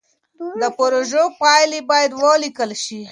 د پروژو پايلې بايد وليکل سي.